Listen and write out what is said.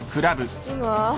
今？